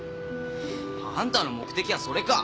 あんたの目的はそれか！？